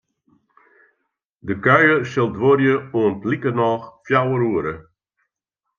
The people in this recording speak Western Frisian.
De kuier sil duorje oant likernôch fjouwer oere.